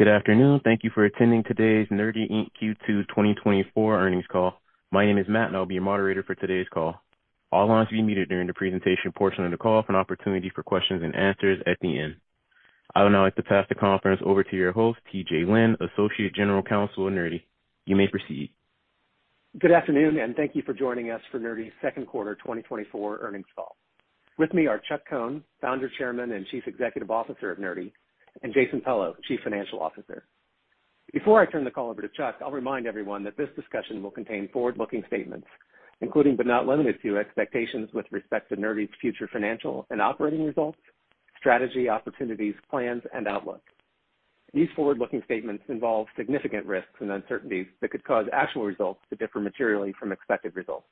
Good afternoon. Thank you for attending today's Nerdy Inc. Q2 2024 Earnings Call. My name is Matt, and I'll be your moderator for today's call. All lines will be muted during the presentation portion of the call for an opportunity for questions and answers at the end. I would now like to pass the conference over to your host, T.J. Lynn, Associate General Counsel at Nerdy. You may proceed. Good afternoon, and thank you for joining us for Nerdy's second quarter 2024 Earnings Call. With me are Chuck Cohn, Founder, Chairman, and Chief Executive Officer of Nerdy, and Jason Pellow, Chief Financial Officer. Before I turn the call over to Chuck, I'll remind everyone that this discussion will contain forward-looking statements, including, but not limited to, expectations with respect to Nerdy's future financial and operating results, strategy, opportunities, plans, and outlook. These forward-looking statements involve significant risks and uncertainties that could cause actual results to differ materially from expected results.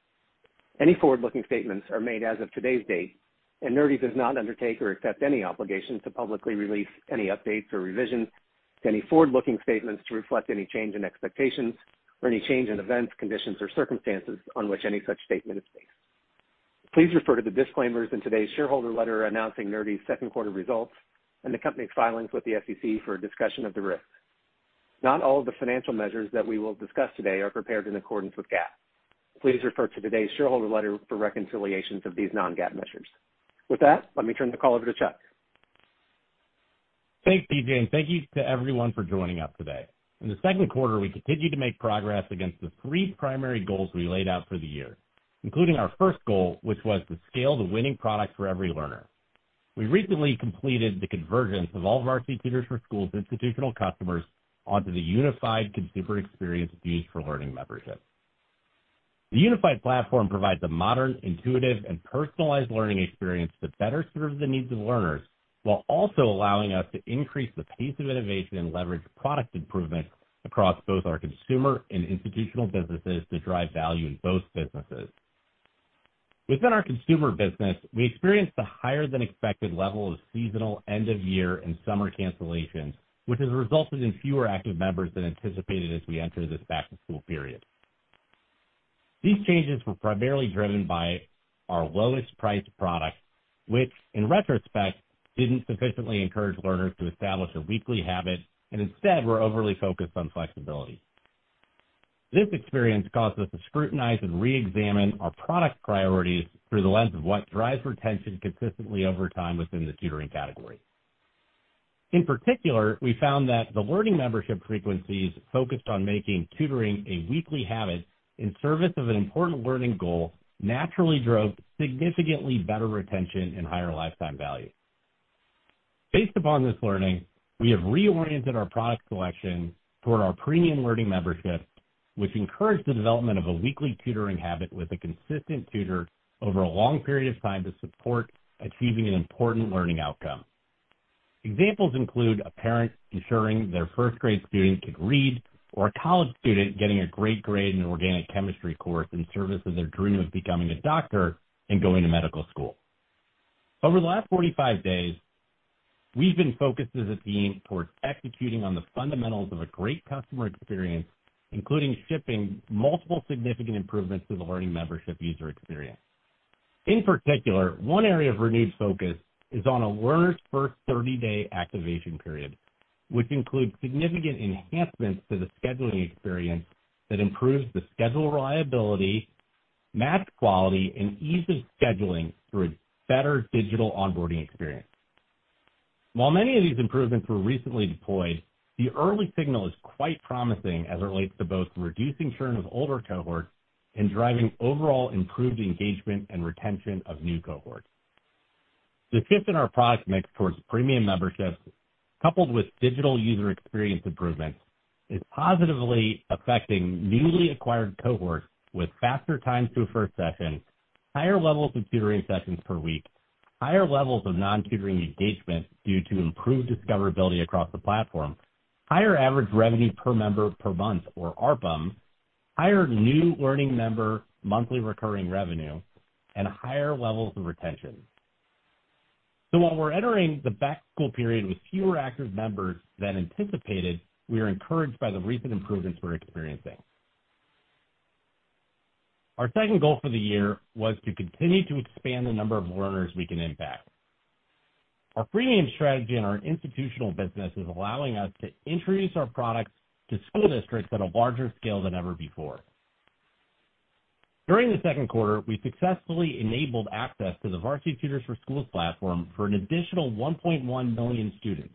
Any forward-looking statements are made as of today's date, and Nerdy does not undertake or accept any obligation to publicly release any updates or revisions to any forward-looking statements to reflect any change in expectations or any change in events, conditions, or circumstances on which any such statement is based. Please refer to the disclaimers in today's shareholder letter announcing Nerdy's second quarter results and the company's filings with the SEC for a discussion of the risks. Not all of the financial measures that we will discuss today are prepared in accordance with GAAP. Please refer to today's shareholder letter for reconciliations of these non-GAAP measures. With that, let me turn the call over to Chuck. Thanks, TJ, and thank you to everyone for joining us today. In the second quarter, we continued to make progress against the three primary goals we laid out for the year, including our first goal, which was to scale the winning product for every learner. We recently completed the convergence of all of our Varsity Tutors for Schools' institutional customers onto the unified consumer experience used for Learning Memberships. The unified platform provides a modern, intuitive, and personalized learning experience that better serves the needs of learners, while also allowing us to increase the pace of innovation and leverage product improvement across both our consumer and institutional businesses to drive value in both businesses. Within our consumer business, we experienced a higher-than-expected level of seasonal end-of-year and summer cancellations, which has resulted in fewer active members than anticipated as we enter this back-to-school period. These changes were primarily driven by our lowest-priced product, which, in retrospect, didn't sufficiently encourage learners to establish a weekly habit and instead were overly focused on flexibility. This experience caused us to scrutinize and reexamine our product priorities through the lens of what drives retention consistently over time within the tutoring category. In particular, we found that the Learning Membership frequencies focused on making tutoring a weekly habit in service of an important learning goal naturally drove significantly better retention and higher Lifetime Value. Based upon this learning, we have reoriented our product selection toward our Premium Learning Membership, which encouraged the development of a weekly tutoring habit with a consistent tutor over a long period of time to support achieving an important learning outcome. Examples include a parent ensuring their first-grade student can read, or a college student getting a great grade in an organic chemistry course in service of their dream of becoming a doctor and going to medical school. Over the last 45 days, we've been focused as a team towards executing on the fundamentals of a great customer experience, including shipping multiple significant improvements to the Learning Membership user experience. In particular, one area of renewed focus is on a learner's first 30-day activation period, which includes significant enhancements to the scheduling experience that improves the schedule reliability, math quality, and ease of scheduling through a better digital onboarding experience. While many of these improvements were recently deployed, the early signal is quite promising as it relates to both reducing churn of older cohorts and driving overall improved engagement and retention of new cohorts. The shift in our product mix towards premium memberships, coupled with digital user experience improvements, is positively affecting newly acquired cohorts with faster time to a first session, higher levels of tutoring sessions per week, higher levels of non-tutoring engagement due to improved discoverability across the platform, higher average revenue per member per month, or ARPM, higher new learning member monthly recurring revenue, and higher levels of retention. So while we're entering the back-to-school period with fewer active members than anticipated, we are encouraged by the recent improvements we're experiencing. Our second goal for the year was to continue to expand the number of learners we can impact. Our premium strategy in our institutional business is allowing us to introduce our products to school districts on a larger scale than ever before. During the second quarter, we successfully enabled access to the Varsity Tutors for Schools platform for an additional 1.1 million students,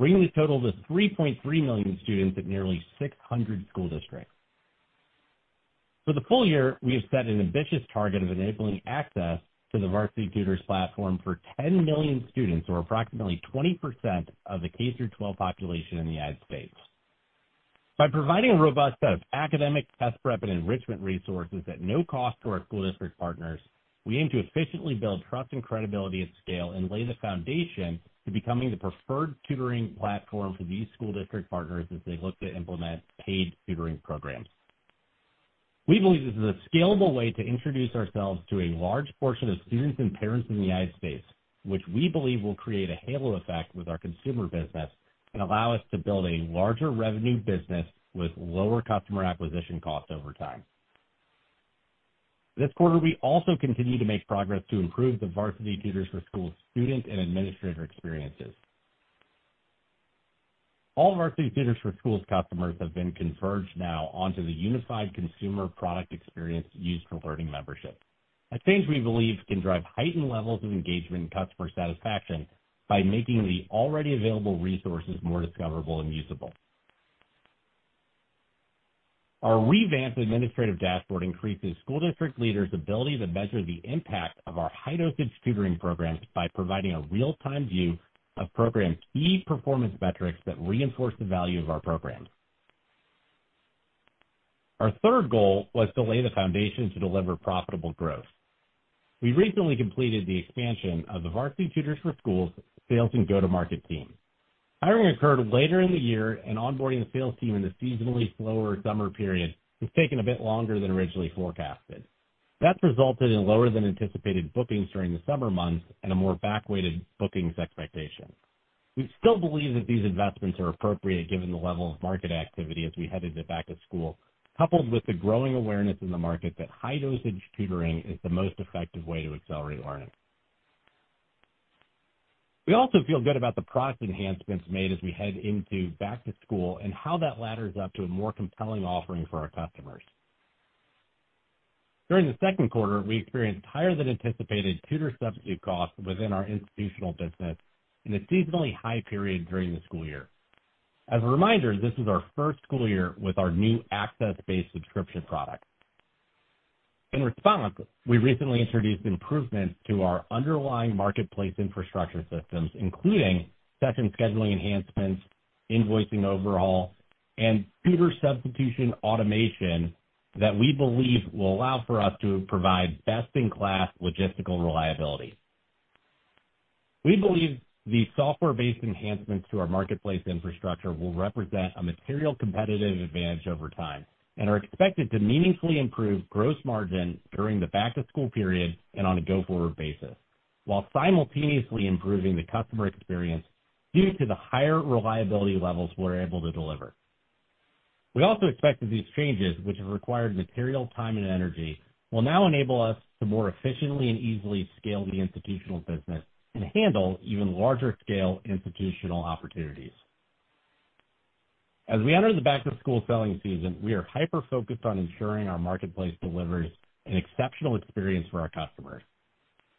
bringing the total to 3.3 million students at nearly 600 school districts. For the full year, we have set an ambitious target of enabling access to the Varsity Tutors platform for 10 million students, or approximately 20% of the K-12 population in the United States. By providing a robust set of academic test prep and enrichment resources at no cost to our school district partners, we aim to efficiently build trust and credibility at scale and lay the foundation to becoming the preferred tutoring platform for these school district partners as they look to implement paid tutoring programs. We believe this is a scalable way to introduce ourselves to a large portion of students and parents in the United States, which we believe will create a halo effect with our consumer business and allow us to build a larger revenue business with lower customer acquisition costs over time. This quarter, we also continued to make progress to improve the Varsity Tutors for Schools student and administrator experiences. All Varsity Tutors for Schools customers have been converged now onto the unified consumer product experience used for Learning Memberships that we believe can drive heightened levels of engagement and customer satisfaction by making the already available resources more discoverable and usable. Our revamped administrative dashboard increases school district leaders' ability to measure the impact of our High-Dosage Tutoring programs by providing a real-time view of program key performance metrics that reinforce the value of our program. Our third goal was to lay the foundation to deliver profitable growth. We recently completed the expansion of the Varsity Tutors for Schools sales and go-to-market team. Hiring occurred later in the year, and onboarding the sales team in the seasonally slower summer period has taken a bit longer than originally forecasted. That's resulted in lower than anticipated bookings during the summer months and a more back-weighted bookings expectation. We still believe that these investments are appropriate given the level of market activity as we head into back to school, coupled with the growing awareness in the market that High-Dosage Tutoring is the most effective way to accelerate learning. We also feel good about the product enhancements made as we head into back to school and how that ladders up to a more compelling offering for our customers. During the second quarter, we experienced higher than anticipated tutor substitute costs within our institutional business in a seasonally high period during the school year. As a reminder, this is our first school year with our new access-based subscription product. In response, we recently introduced improvements to our underlying marketplace infrastructure systems, including session scheduling enhancements, invoicing overhaul, and tutor substitution automation that we believe will allow for us to provide best-in-class logistical reliability. We believe the software-based enhancements to our marketplace infrastructure will represent a material competitive advantage over time and are expected to meaningfully improve gross margin during the back-to-school period and on a go-forward basis, while simultaneously improving the customer experience due to the higher reliability levels we're able to deliver. We also expect that these changes, which have required material, time, and energy, will now enable us to more efficiently and easily scale the institutional business and handle even larger-scale institutional opportunities. As we enter the back-to-school selling season, we are hyper-focused on ensuring our marketplace delivers an exceptional experience for our customers.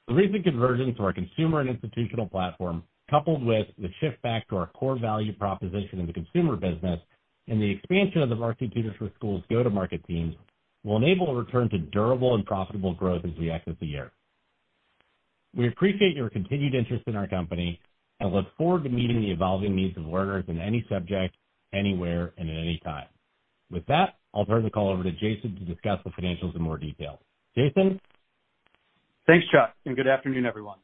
The recent conversion to our consumer and institutional platform, coupled with the shift back to our core value proposition in the consumer business and the expansion of the Varsity Tutors for Schools go-to-market teams, will enable a return to durable and profitable growth as we exit the year. We appreciate your continued interest in our company and look forward to meeting the evolving needs of learners in any subject, anywhere, and at any time. With that, I'll turn the call over to Jason to discuss the financials in more detail. Jason? Thanks, Chuck, and good afternoon, everyone.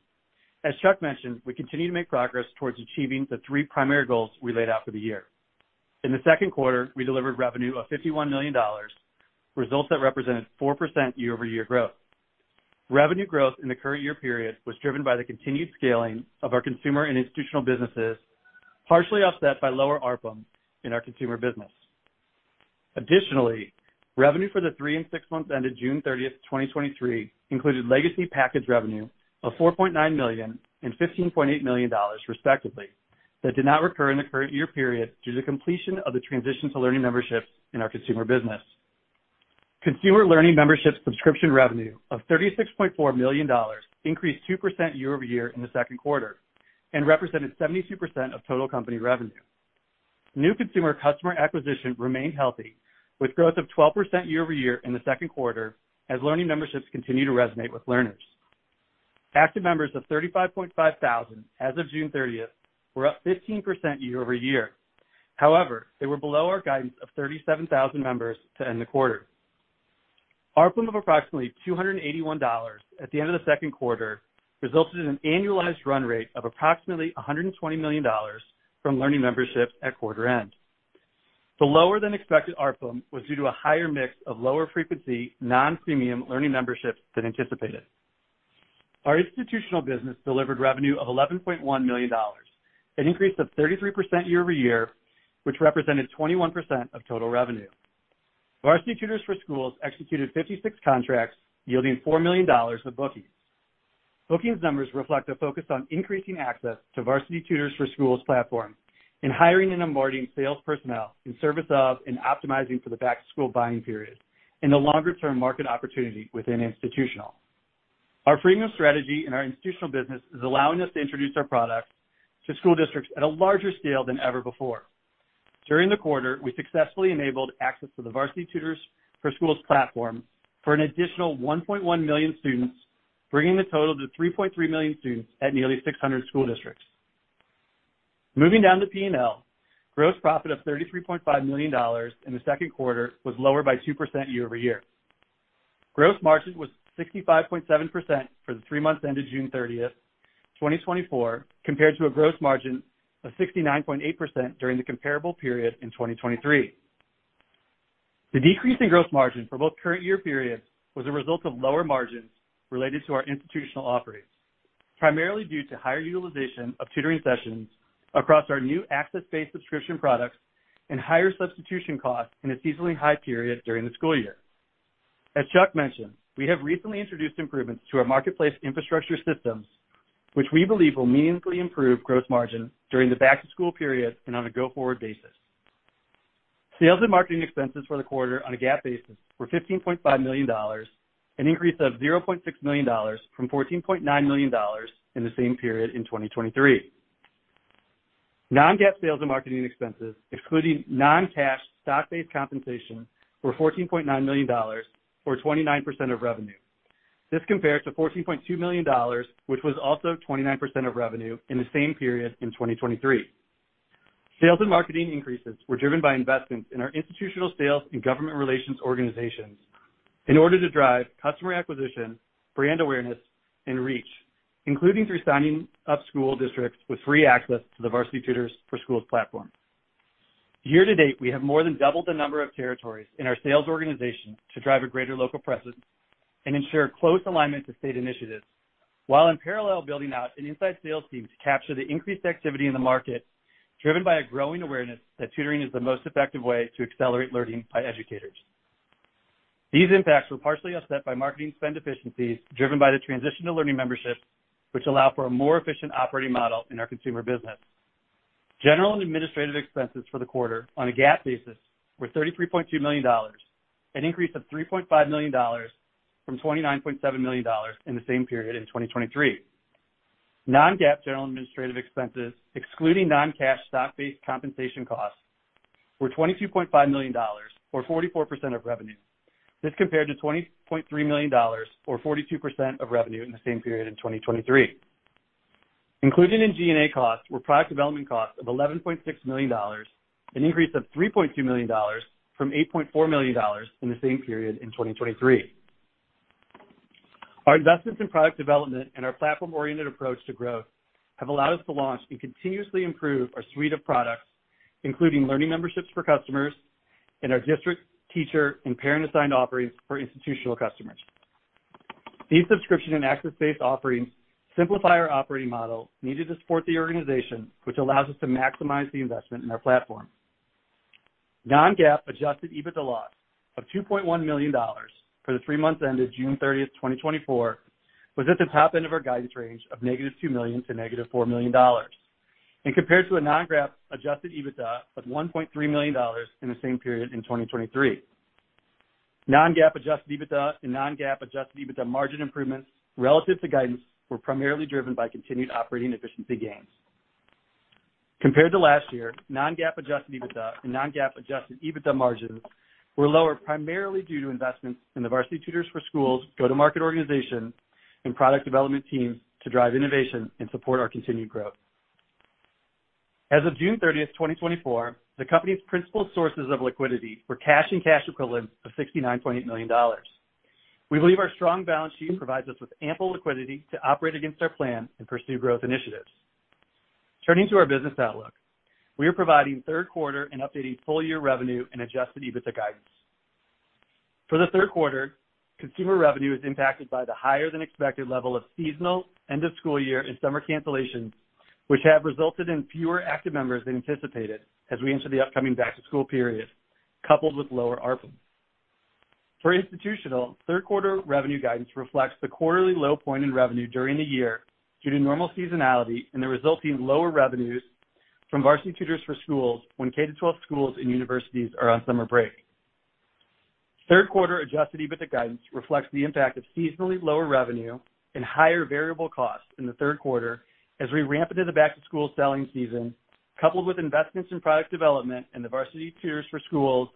As Chuck mentioned, we continue to make progress towards achieving the three primary goals we laid out for the year. In the second quarter, we delivered revenue of $51 million, results that represented 4% year-over-year growth. Revenue growth in the current year period was driven by the continued scaling of our consumer and institutional businesses, partially offset by lower ARPM in our consumer business. Additionally, revenue for the three and six months ended June 30, 2023, included legacy package revenue of $4.9 million and $15.8 million, respectively, that did not recur in the current year period due to completion of the transition to Learning Memberships in our consumer business. Consumer learning membership subscription revenue of $36.4 million increased 2% year-over-year in the second quarter and represented 72% of total company revenue. New consumer customer acquisition remained healthy, with growth of 12% year-over-year in the second quarter, as learning memberships continue to resonate with learners. Active members of 35,500 as of June 30 were up 15% year-over-year. However, they were below our guidance of 37,000 members to end the quarter. ARPM of approximately $281 at the end of the second quarter resulted in an annualized run rate of approximately $120 million from learning memberships at quarter end. The lower-than-expected ARPM was due to a higher mix of lower frequency, non-premium learning memberships than anticipated. Our institutional business delivered revenue of $11.1 million, an increase of 33% year-over-year, which represented 21% of total revenue. Varsity Tutors for Schools executed 56 contracts, yielding $4 million of bookings. Bookings numbers reflect a focus on increasing access to Varsity Tutors for Schools platform and hiring and onboarding sales personnel in service of and optimizing for the back-to-school buying period and the longer-term market opportunity within institutional. Our premium strategy in our institutional business is allowing us to introduce our product to school districts at a larger scale than ever before. During the quarter, we successfully enabled access to the Varsity Tutors for Schools platform for an additional 1.1 million students, bringing the total to 3.3 million students at nearly 600 school districts. Moving down the P&L, gross profit of $33.5 million in the second quarter was lower by 2% year-over-year. Gross margin was 65.7% for the three months ended June 30, 2024, compared to a gross margin of 69.8% during the comparable period in 2023. The decrease in gross margin for both current year periods was a result of lower margins related to our institutional offerings... primarily due to higher utilization of tutoring sessions across our new access-based subscription products and higher substitution costs in a seasonally high period during the school year. As Chuck mentioned, we have recently introduced improvements to our marketplace infrastructure systems, which we believe will meaningfully improve gross margin during the back-to-school period and on a go-forward basis. Sales and marketing expenses for the quarter on a GAAP basis were $15.5 million, an increase of $0.6 million from $14.9 million in the same period in 2023. Non-GAAP sales and marketing expenses, including non-cash stock-based compensation, were $14.9 million, or 29% of revenue. This compares to $14.2 million, which was also 29% of revenue in the same period in 2023. Sales and marketing increases were driven by investments in our institutional sales and government relations organizations in order to drive customer acquisition, brand awareness, and reach, including through signing up school districts with free access to the Varsity Tutors for Schools platform. Year to date, we have more than doubled the number of territories in our sales organization to drive a greater local presence and ensure close alignment to state initiatives, while in parallel, building out an inside sales team to capture the increased activity in the market, driven by a growing awareness that tutoring is the most effective way to accelerate learning by educators. These impacts were partially offset by marketing spend efficiencies driven by the transition to learning membership, which allow for a more efficient operating model in our consumer business. General and administrative expenses for the quarter on a GAAP basis were $33.2 million, an increase of $3.5 million from $29.7 million in the same period in 2023. Non-GAAP general and administrative expenses, excluding non-cash stock-based compensation costs, were $22.5 million, or 44% of revenue. This compared to $20.3 million, or 42% of revenue, in the same period in 2023. Included in G&A costs were product development costs of $11.6 million, an increase of $3.2 million from $8.4 million in the same period in 2023. Our investments in product development and our platform-oriented approach to growth have allowed us to launch and continuously improve our suite of products, including learning memberships for customers and our District, Teacher, and Parent Assigned offerings for institutional customers. These subscription and access-based offerings simplify our operating model needed to support the organization, which allows us to maximize the investment in our platform. Non-GAAP adjusted EBITDA loss of $2.1 million for the three months ended June 30th, 2024, was at the top end of our guidance range of -$2 million to -$4 million and compared to a non-GAAP adjusted EBITDA of $1.3 million in the same period in 2023. Non-GAAP adjusted EBITDA and non-GAAP adjusted EBITDA margin improvements relative to guidance were primarily driven by continued operating efficiency gains. Compared to last year, non-GAAP adjusted EBITDA and non-GAAP adjusted EBITDA margins were lower, primarily due to investments in the Varsity Tutors for Schools go-to-market organization and product development teams to drive innovation and support our continued growth. As of June 30th, 2024, the company's principal sources of liquidity were cash and cash equivalents of $69.8 million. We believe our strong balance sheet provides us with ample liquidity to operate against our plan and pursue growth initiatives. Turning to our business outlook. We are providing third quarter and updating full-year revenue and Adjusted EBITDA guidance. For the third quarter, consumer revenue is impacted by the higher-than-expected level of seasonal end-of-school year and summer cancellations, which have resulted in fewer active members than anticipated as we enter the upcoming back-to-school period, coupled with lower ARPM. For institutional, third quarter revenue guidance reflects the quarterly low point in revenue during the year due to normal seasonality and the resulting lower revenues from Varsity Tutors for Schools when K-12 schools and universities are on summer break. Third quarter adjusted EBITDA guidance reflects the impact of seasonally lower revenue and higher variable costs in the third quarter as we ramp into the back-to-school selling season, coupled with investments in product development and the Varsity Tutors for Schools'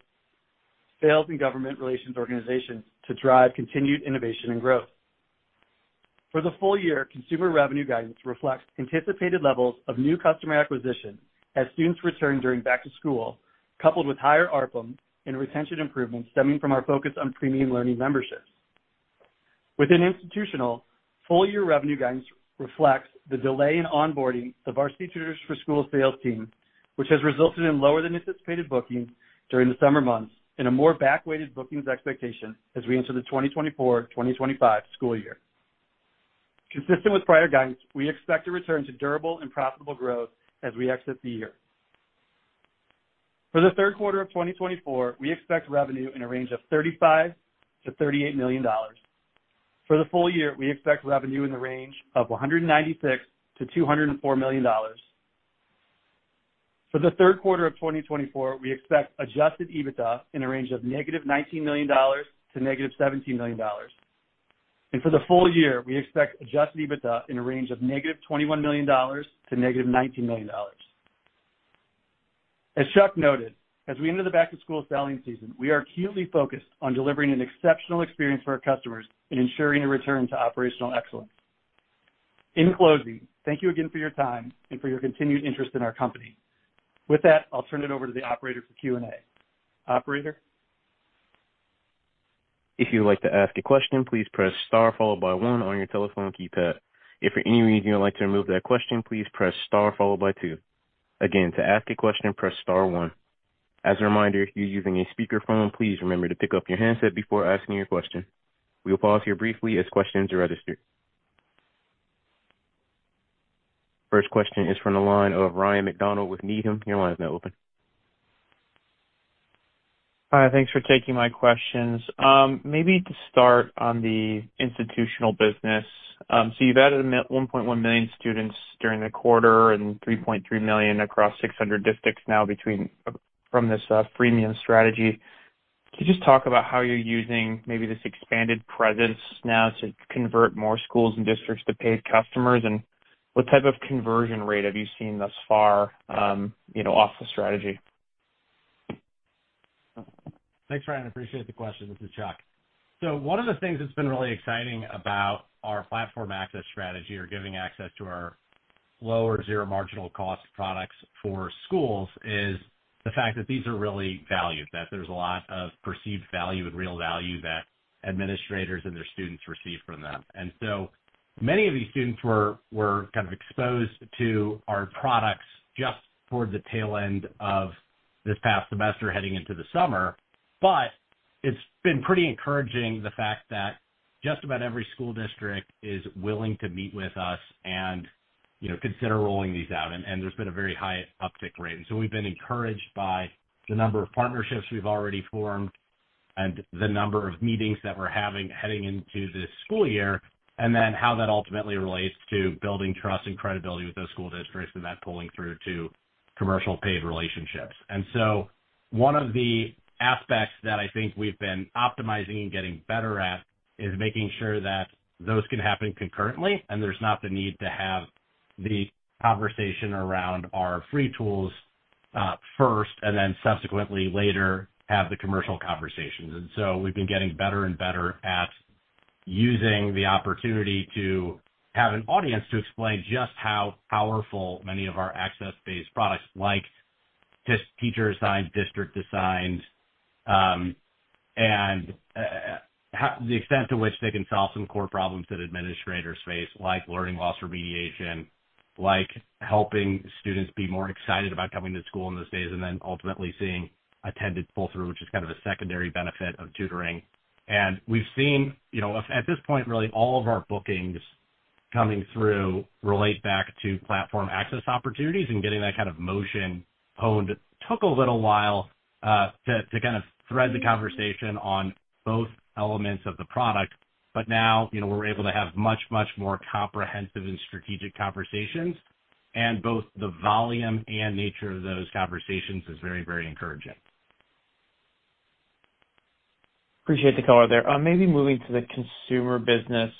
sales and government relations organization to drive continued innovation and growth. For the full year, consumer revenue guidance reflects anticipated levels of new customer acquisition as students return during back to school, coupled with higher ARPM and retention improvements stemming from our focus on premium learning memberships. Within institutional, full-year revenue guidance reflects the delay in onboarding the Varsity Tutors for Schools sales team, which has resulted in lower-than-anticipated bookings during the summer months and a more back-weighted bookings expectation as we enter the 2024/2025 school year. Consistent with prior guidance, we expect a return to durable and profitable growth as we exit the year. For the third quarter of 2024, we expect revenue in a range of $35 million-$38 million. For the full year, we expect revenue in the range of $196 million-$204 million. For the third quarter of 2024, we expect Adjusted EBITDA in a range of -$19 million to -$17 million. For the full year, we expect Adjusted EBITDA in a range of -$21 million to -$19 million. As Chuck noted, as we enter the back-to-school selling season, we are acutely focused on delivering an exceptional experience for our customers and ensuring a return to operational excellence. In closing, thank you again for your time and for your continued interest in our company. With that, I'll turn it over to the operator for Q&A. Operator? If you would like to ask a question, please press star followed by one on your telephone keypad. If for any reason you would like to remove that question, please press star followed by two. Again, to ask a question, press star one.... As a reminder, if you're using a speakerphone, please remember to pick up your handset before asking your question. We will pause here briefly as questions are registered. First question is from the line of Ryan MacDonald with Needham. Your line is now open. Hi, thanks for taking my questions. Maybe to start on the institutional business. So you've added 1.1 million students during the quarter and 3.3 million across 600 districts now between from this freemium strategy. Can you just talk about how you're using maybe this expanded presence now to convert more schools and districts to paid customers? And what type of conversion rate have you seen thus far, you know, off the strategy? Thanks, Ryan. I appreciate the question. This is Chuck. So one of the things that's been really exciting about our platform access strategy, or giving access to our low or zero marginal cost products for schools, is the fact that these are really valued, that there's a lot of perceived value and real value that administrators and their students receive from them. And so many of these students were kind of exposed to our products just toward the tail end of this past semester, heading into the summer. But it's been pretty encouraging, the fact that just about every school district is willing to meet with us and, you know, consider rolling these out, and there's been a very high uptick rate. And so we've been encouraged by the number of partnerships we've already formed and the number of meetings that we're having heading into this school year, and then how that ultimately relates to building trust and credibility with those school districts, and that pulling through to commercial paid relationships. And so one of the aspects that I think we've been optimizing and getting better at is making sure that those can happen concurrently, and there's not the need to have the conversation around our free tools first, and then subsequently, later, have the commercial conversations. And so we've been getting better and better at using the opportunity to have an audience to explain just how powerful many of our access-based products, like just Teacher Assigned, District Assigned, and how... the extent to which they can solve some core problems that administrators face, like learning loss remediation, like helping students be more excited about coming to school in those days, and then ultimately seeing attendance pull through, which is kind of a secondary benefit of tutoring. And we've seen, you know, at this point, really all of our bookings coming through relate back to platform access opportunities and getting that kind of motion honed. It took a little while to kind of thread the conversation on both elements of the product. But now, you know, we're able to have much, much more comprehensive and strategic conversations, and both the volume and nature of those conversations is very, very encouraging. Appreciate the color there. Maybe moving to the consumer business.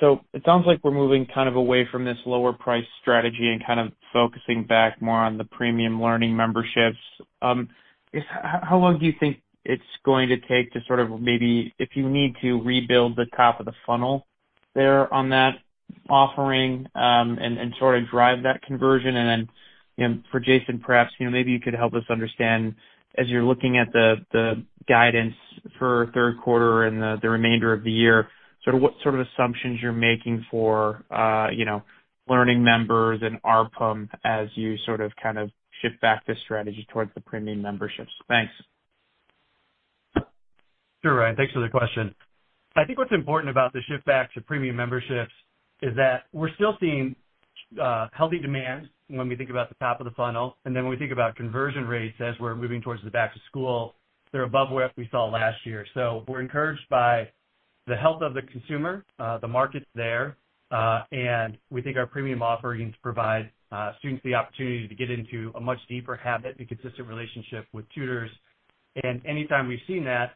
So it sounds like we're moving kind of away from this lower price strategy and kind of focusing back more on the premium learning memberships. How long do you think it's going to take to sort of maybe, if you need to, rebuild the top of the funnel there on that offering, and sort of drive that conversion? And then, you know, for Jason, perhaps, you know, maybe you could help us understand, as you're looking at the guidance for third quarter and the remainder of the year, sort of what sort of assumptions you're making for, you know, learning members and ARPU, as you sort of kind of shift back the strategy towards the premium memberships. Thanks. Sure, Ryan, thanks for the question. I think what's important about the shift back to premium memberships is that we're still seeing healthy demand when we think about the top of the funnel, and then when we think about conversion rates as we're moving towards the back to school, they're above what we saw last year. So we're encouraged by the health of the consumer. The market's there, and we think our premium offerings provide students the opportunity to get into a much deeper habit and consistent relationship with tutors. And anytime we've seen that,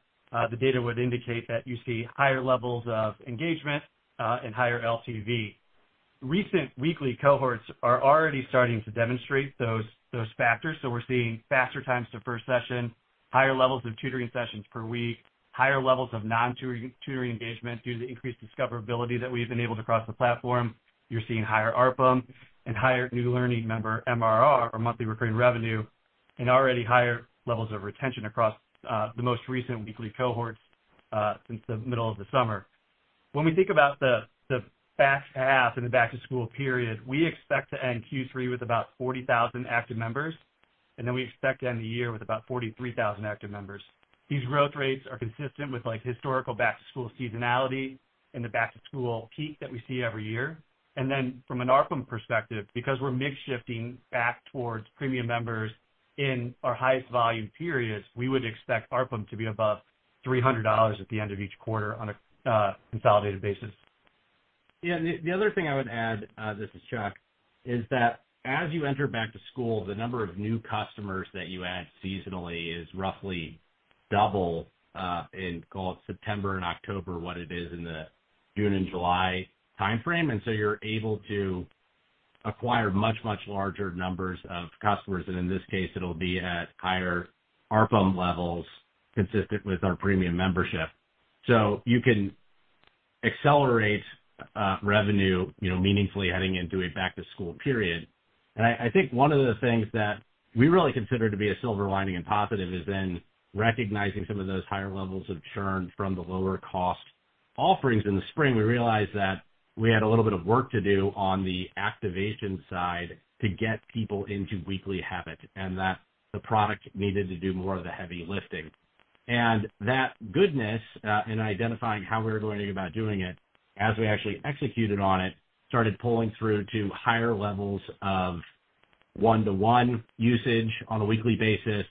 the data would indicate that you see higher levels of engagement, and higher LTV. Recent weekly cohorts are already starting to demonstrate those factors, so we're seeing faster times to first session, higher levels of tutoring sessions per week, higher levels of non-tutoring, tutoring engagement due to increased discoverability that we've enabled across the platform. You're seeing higher ARPU and higher new learning member MRR, or Monthly Recurring Revenue, and already higher levels of retention across the most recent weekly cohorts since the middle of the summer. When we think about the back half and the back-to-school period, we expect to end Q3 with about 40,000 active members, and then we expect to end the year with about 43,000 active members. These growth rates are consistent with, like, historical back to school seasonality and the back to school peak that we see every year. And then from an ARPU perspective, because we're mix shifting back towards premium members in our highest volume periods, we would expect ARPU to be above $300 at the end of each quarter on a consolidated basis. Yeah, the other thing I would add, this is Chuck, is that as you enter back to school, the number of new customers that you add seasonally is roughly double in, call it, September and October, what it is in the June and July timeframe. And so you're able to acquire much, much larger numbers of customers, and in this case, it'll be at higher ARPU levels, consistent with our premium membership. So you can accelerate revenue, you know, meaningfully heading into a back to school period. And I think one of the things that we really consider to be a silver lining and positive is then recognizing some of those higher levels of churn from the lower cost-... Offerings in the spring, we realized that we had a little bit of work to do on the activation side to get people into weekly habit, and that the product needed to do more of the heavy lifting. And that goodness, in identifying how we were going about doing it, as we actually executed on it, started pulling through to higher levels of one-to-one usage on a weekly basis,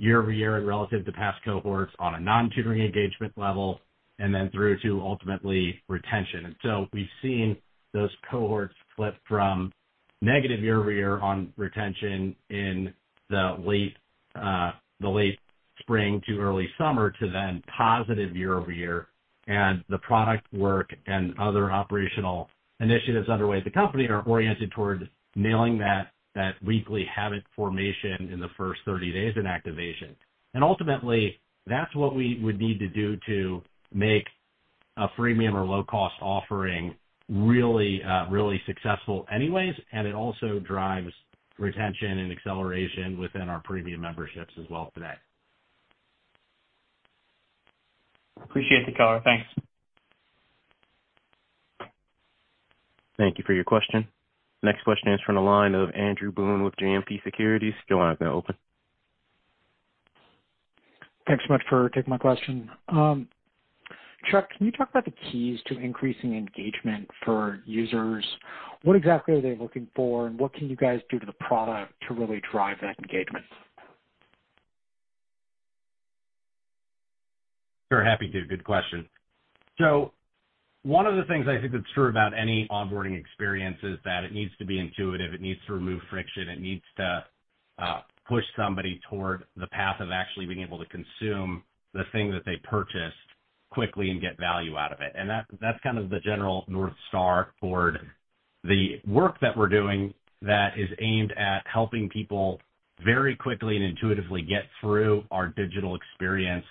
year-over-year and relative to past cohorts on a non-tutoring engagement level, and then through to ultimately retention. And so we've seen those cohorts flip from negative year-over-year on retention in the late, the late spring to early summer, to then positive year-over-year. And the product work and other operational initiatives underway at the company are oriented toward nailing that, that weekly habit formation in the first 30 days in activation. Ultimately, that's what we would need to do to make a freemium or low-cost offering really, really successful anyways, and it also drives retention and acceleration within our premium memberships as well today. Appreciate the color. Thanks. Thank you for your question. Next question is from the line of Andrew Boone with JMP Securities. Your line is now open. Thanks so much for taking my question. Chuck, can you talk about the keys to increasing engagement for users? What exactly are they looking for, and what can you guys do to the product to really drive that engagement? Sure, happy to. Good question. So one of the things I think that's true about any onboarding experience is that it needs to be intuitive, it needs to remove friction, it needs to push somebody toward the path of actually being able to consume the thing that they purchased quickly and get value out of it. And that, that's kind of the general North Star toward the work that we're doing that is aimed at helping people very quickly and intuitively get through our digital experience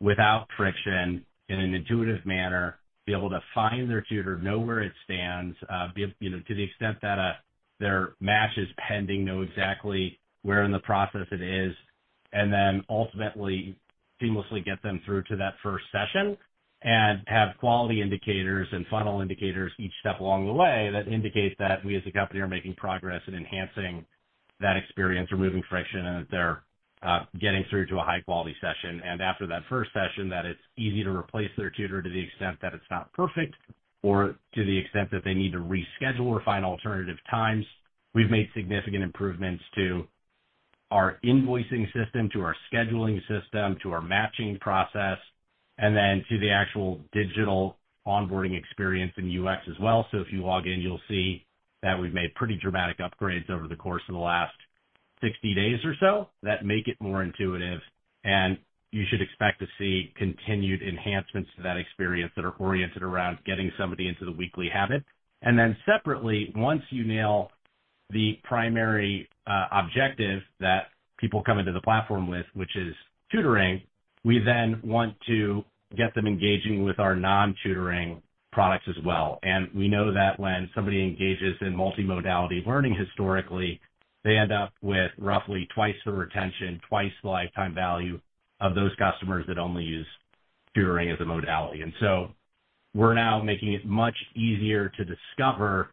without friction, in an intuitive manner, be able to find their tutor, know where it stands, be, you know, to the extent that their match is pending, know exactly where in the process it is, and then ultimately seamlessly get them through to that first session. Have quality indicators and funnel indicators each step along the way that indicates that we as a company are making progress in enhancing that experience, removing friction, and that they're getting through to a high-quality session. After that first session, that it's easy to replace their tutor to the extent that it's not perfect, or to the extent that they need to reschedule or find alternative times. We've made significant improvements to our invoicing system, to our scheduling system, to our matching process, and then to the actual digital onboarding experience in UX as well. If you log in, you'll see that we've made pretty dramatic upgrades over the course of the last 60 days or so that make it more intuitive, and you should expect to see continued enhancements to that experience that are oriented around getting somebody into the weekly habit. And then separately, once you nail the primary objective that people come into the platform with, which is tutoring, we then want to get them engaging with our non-tutoring products as well. And we know that when somebody engages in multimodality learning historically, they end up with roughly twice the retention, twice the lifetime value of those customers that only use tutoring as a modality. And so we're now making it much easier to discover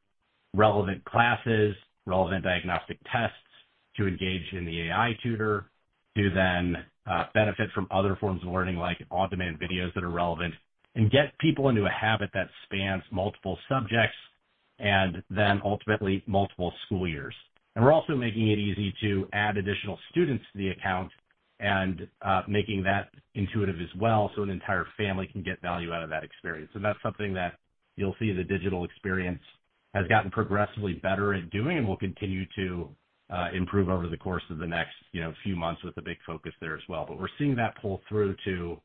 relevant classes, relevant diagnostic tests, to engage in the AI tutor, to then benefit from other forms of learning, like on-demand videos that are relevant, and get people into a habit that spans multiple subjects and then ultimately multiple school years. And we're also making it easy to add additional students to the account and making that intuitive as well, so an entire family can get value out of that experience. That's something that you'll see the digital experience has gotten progressively better at doing and will continue to improve over the course of the next, you know, few months with a big focus there as well. But we're seeing that pull through to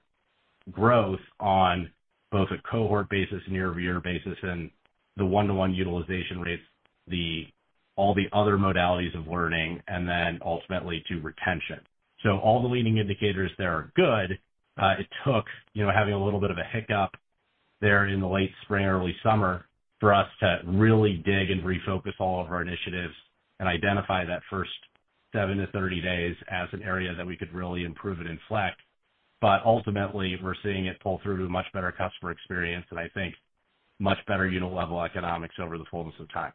growth on both a cohort basis and year-over-year basis, and the one-to-one utilization rates, the -- all the other modalities of learning, and then ultimately to retention. So all the leading indicators there are good. It took, you know, having a little bit of a hiccup there in the late spring, early summer, for us to really dig and refocus all of our initiatives and identify that first 7 to 30 days as an area that we could really improve it and flex. Ultimately, we're seeing it pull through to a much better customer experience and I think much better unit-level economics over the fullness of time.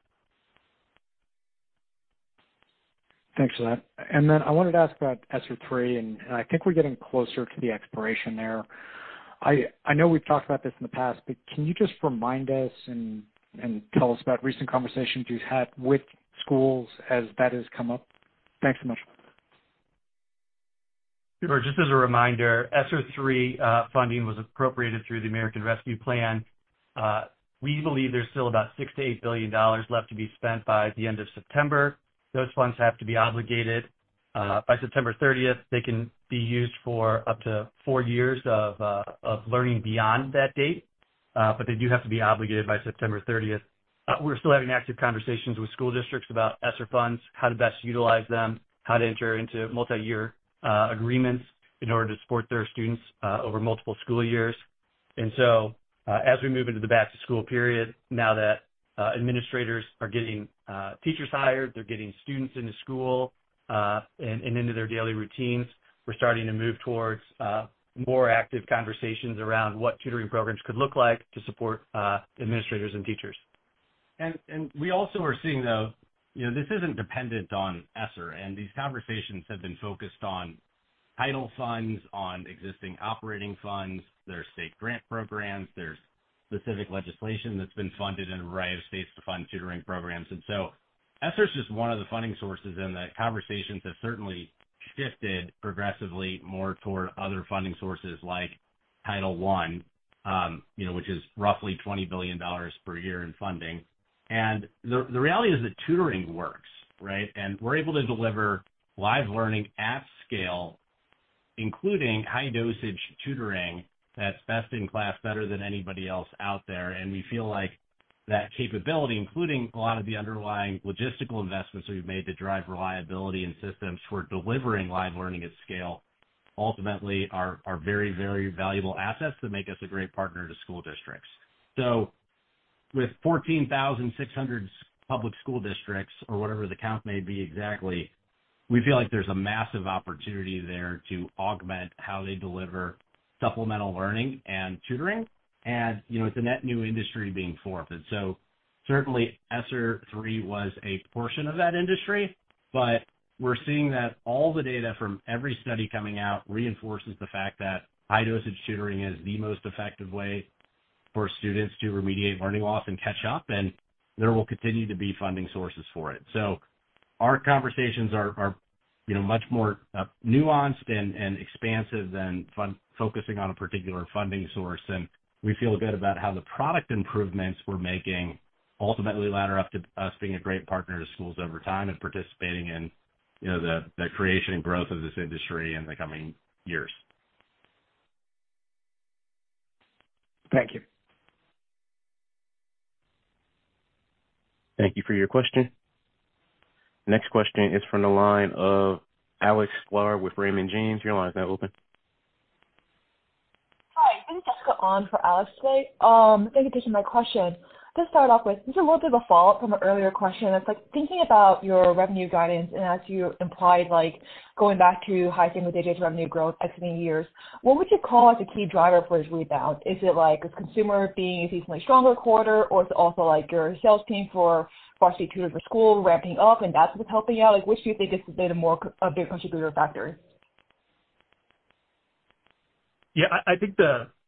Thanks for that. And then I wanted to ask about ESSER III, and, and I think we're getting closer to the expiration there. I, I know we've talked about this in the past, but can you just remind us and, and tell us about recent conversations you've had with schools as that has come up? Thanks so much. Sure. Just as a reminder, ESSER III funding was appropriated through the American Rescue Plan. We believe there's still about $6 billion-$8 billion left to be spent by the end of September. Those funds have to be obligated by September thirtieth. They can be used for up to four years of learning beyond that date, but they do have to be obligated by September thirtieth. We're still having active conversations with school districts about ESSER funds, how to best utilize them, how to enter into multi-year agreements in order to support their students over multiple school years. And so, as we move into the back-to-school period, now that administrators are getting teachers hired, they're getting students into school, and into their daily routines. We're starting to move towards more active conversations around what tutoring programs could look like to support administrators and teachers. And we also are seeing, though, you know, this isn't dependent on ESSER, and these conversations have been focused on Title funds, on existing operating funds. There are state grant programs. There's specific legislation that's been funded in an array of states to fund tutoring programs. And so ESSER is just one of the funding sources, and the conversations have certainly shifted progressively more toward other funding sources like Title I, you know, which is roughly $20 billion per year in funding. And the reality is that tutoring works, right? And we're able to deliver live learning at scale, including high-dosage tutoring that's best in class, better than anybody else out there. And we feel like that capability, including a lot of the underlying logistical investments that we've made to drive reliability and systems for delivering live learning at scale, ultimately are very, very valuable assets that make us a great partner to school districts. So with 14,600 public school districts or whatever the count may be exactly, we feel like there's a massive opportunity there to augment how they deliver supplemental learning and tutoring. And, you know, it's a net new industry being formed. And so certainly, ESSER III was a portion of that industry, but we're seeing that all the data from every study coming out reinforces the fact that high-dosage tutoring is the most effective way for students to remediate learning loss and catch up, and there will continue to be funding sources for it. So our conversations are, you know, much more nuanced and expansive than focusing on a particular funding source. We feel good about how the product improvements we're making ultimately ladder up to us being a great partner to schools over time and participating in, you know, the creation and growth of this industry in the coming years. Thank you. Thank you for your question. Next question is from the line of Alex Sklar with Raymond James. Your line is now open. Hi, this is Jessica on for Alex today. Thank you for taking my question. Just start off with just a little bit of a follow-up from an earlier question. It's like thinking about your revenue guidance, and as you implied, like, going back to high single-digit revenue growth next many years. What would you call as a key driver for this rebound? Is it like, is consumer being a decently stronger quarter, or is it also like your sales team for Varsity Tutors for Schools ramping up, and that's what's helping you out? Like, which do you think is the more, a big contributor factor? Yeah, I think...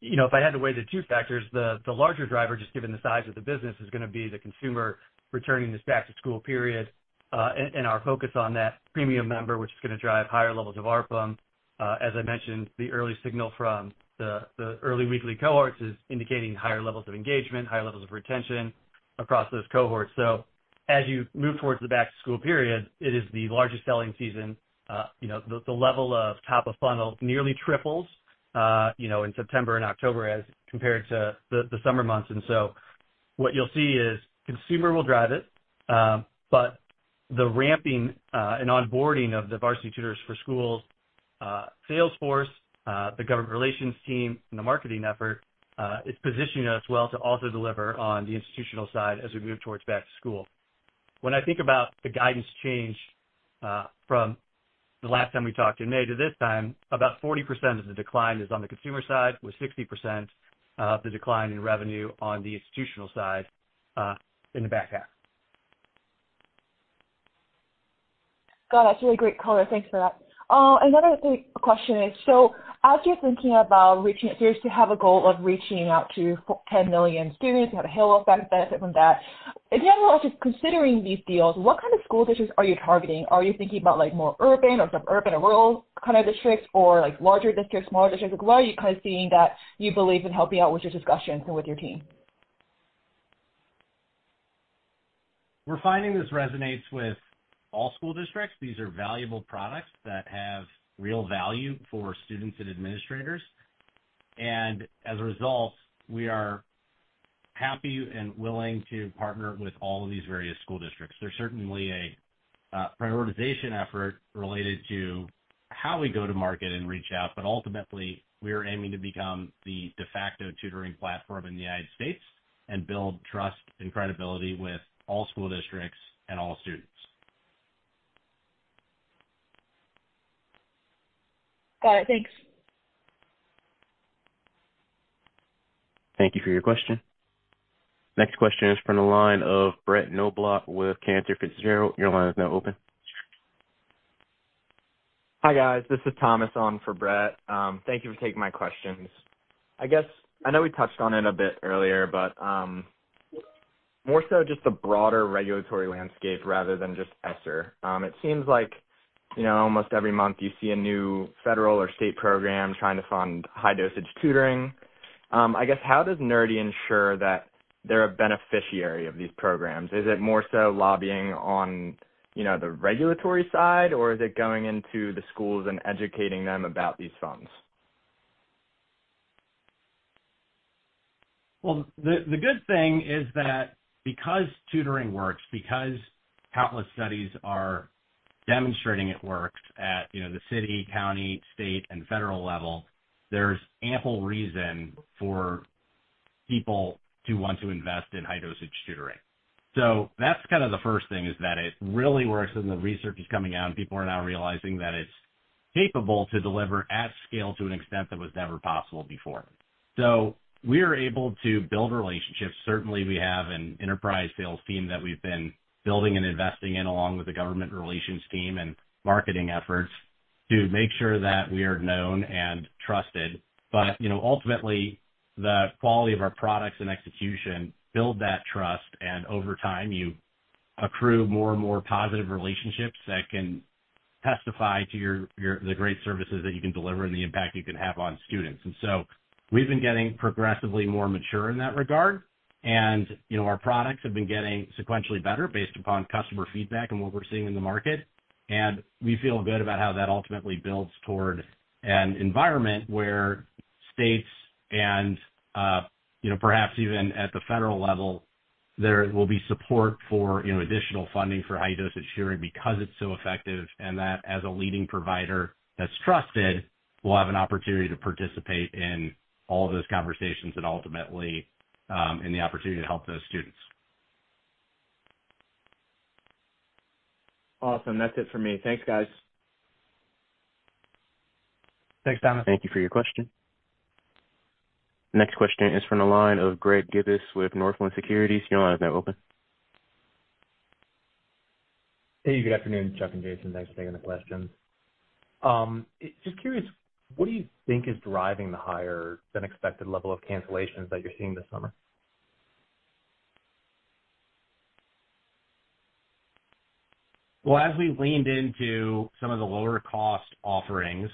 You know, if I had to weigh the two factors, the larger driver, just given the size of the business, is gonna be the consumer returning this back-to-school period, and our focus on that premium member, which is gonna drive higher levels of ARPU. As I mentioned, the early signal from the early weekly cohorts is indicating higher levels of engagement, higher levels of retention across those cohorts. So as you move towards the back-to-school period, it is the largest selling season. You know, the level of top of funnel nearly triples, you know, in September and October as compared to the summer months. And so what you'll see is consumer will drive it, but the ramping, and onboarding of the Varsity Tutors for Schools, sales force, the government relations team and the marketing effort, is positioning us well to also deliver on the institutional side as we move towards back to school. When I think about the guidance change, from the last time we talked in May to this time, about 40% of the decline is on the consumer side, with 60% of the decline in revenue on the institutional side, in the back half. Got it. That's a really great color. Thanks for that. Another quick question is, so as you're thinking about reaching... So you have a goal of reaching out to 10 million students, you have a halo effect benefit from that. In general, just considering these deals, what kind of school districts are you targeting? Are you thinking about, like, more urban or suburban or rural kind of districts, or like larger districts, smaller districts? Like, what are you kind of seeing that you believe in helping out with your discussions and with your team? We're finding this resonates with all school districts. These are valuable products that have real value for students and administrators, and as a result, we are happy and willing to partner with all of these various school districts. There's certainly a prioritization effort related to how we go to market and reach out, but ultimately, we are aiming to become the de facto tutoring platform in the United States and build trust and credibility with all school districts and all students. Got it. Thanks. Thank you for your question. Next question is from the line of Brett Knoblauch with Canaccord Genuity. Your line is now open. Hi, guys. This is Thomas on for Brett. Thank you for taking my questions. I guess, I know we touched on it a bit earlier, but, more so just the broader regulatory landscape rather than just ESSER. It seems like, you know, almost every month you see a new federal or state program trying to fund high-dosage tutoring. I guess, how does Nerdy ensure that they're a beneficiary of these programs? Is it more so lobbying on, you know, the regulatory side, or is it going into the schools and educating them about these funds? Well, the good thing is that because tutoring works, because countless studies are demonstrating it works at, you know, the city, county, state, and federal level, there's ample reason for people to want to invest in high-dosage tutoring. So that's kind of the first thing, is that it really works, and the research is coming out, and people are now realizing that it's capable to deliver at scale to an extent that was never possible before. So we are able to build relationships. Certainly, we have an enterprise sales team that we've been building and investing in, along with the government relations team and marketing efforts, to make sure that we are known and trusted. You know, ultimately, the quality of our products and execution build that trust, and over time, you accrue more and more positive relationships that can testify to the great services that you can deliver and the impact you can have on students. And so we've been getting progressively more mature in that regard. And, you know, our products have been getting sequentially better based upon customer feedback and what we're seeing in the market. And we feel good about how that ultimately builds toward an environment where states and, you know, perhaps even at the federal level, there will be support for, you know, additional funding for high-dosage tutoring because it's so effective, and that as a leading provider that's trusted, we'll have an opportunity to participate in all of those conversations and ultimately, in the opportunity to help those students. Awesome. That's it for me. Thanks, guys. Thanks, Thomas. Thank you for your question. Next question is from the line of Greg Gibbas with Northland Securities. Your line is now open. Hey, good afternoon, Chuck and Jason. Thanks for taking the questions. Just curious, what do you think is driving the higher-than-expected level of cancellations that you're seeing this summer? Well, as we leaned into some of the lower-cost offerings,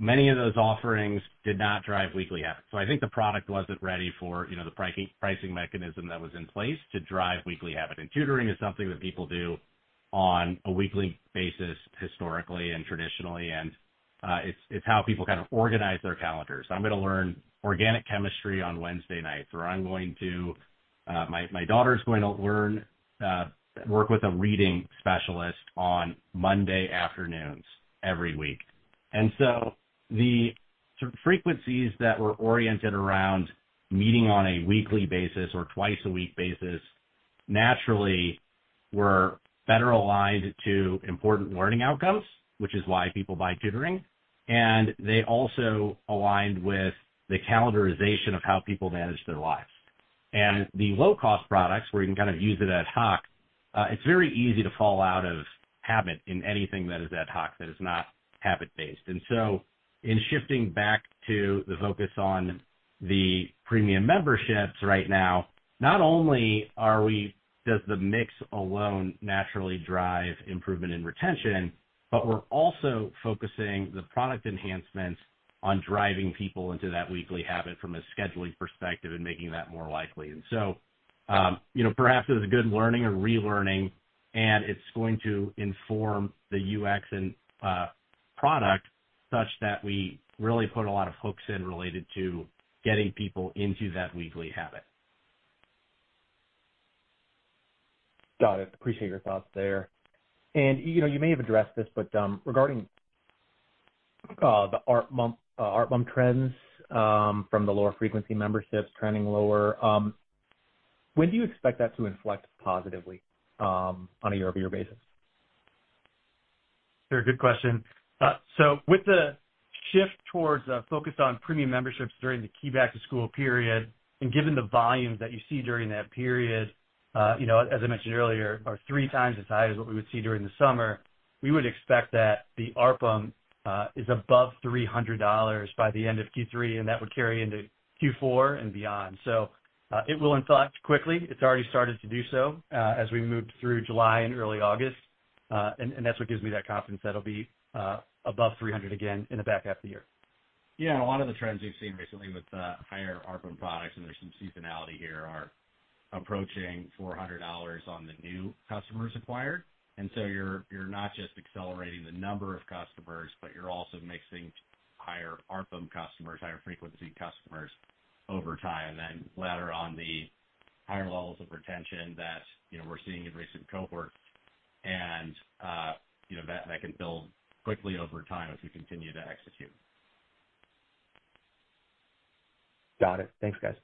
many of those offerings did not drive weekly app. So I think the product wasn't ready for, you know, the pricing mechanism that was in place to drive weekly habit. And tutoring is something that people do on a weekly basis, historically and traditionally, and it's how people kind of organize their calendars. I'm gonna learn organic chemistry on Wednesday nights, or I'm going to my daughter's going to learn work with a reading specialist on Monday afternoons every week. And so the frequencies that were oriented around meeting on a weekly basis or twice-a-week basis, naturally were better aligned to important learning outcomes, which is why people buy tutoring, and they also aligned with the calendarization of how people manage their lives. The low-cost products, where you can kind of use it ad hoc, it's very easy to fall out of habit in anything that is ad hoc, that is not habit-based. And so in shifting back to the focus on the premium memberships right now, not only does the mix alone naturally drive improvement in retention, but we're also focusing the product enhancements on driving people into that weekly habit from a scheduling perspective and making that more likely. And so, you know, perhaps it's a good learning or relearning, and it's going to inform the UX and, product such that we really put a lot of hooks in related to getting people into that weekly habit. Got it. Appreciate your thoughts there. You know, you may have addressed this, but regarding the ARPM trends from the lower frequency memberships trending lower, when do you expect that to inflect positively on a year-over-year basis? Sure, good question. So with the shift towards a focus on premium memberships during the key back-to-school period, and given the volumes that you see during that period, you know, as I mentioned earlier, are three times as high as what we would see during the summer, we would expect that the ARPM is above $300 by the end of Q3, and that would carry into Q4 and beyond. So, it will inflect quickly. It's already started to do so, as we moved through July and early August. And that's what gives me that confidence that it'll be above $300 again in the back half of the year. Yeah, a lot of the trends we've seen recently with higher ARPM products, and there's some seasonality here, are approaching $400 on the new customers acquired. And so you're not just accelerating the number of customers, but you're also mixing higher ARPM customers, higher-frequency customers, over time, and then later on, the higher levels of retention that, you know, we're seeing in recent cohorts. And, you know, that can build quickly over time as we continue to execute. Got it. Thanks, guys.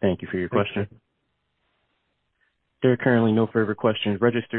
Thank you for your question. There are currently no further questions registered.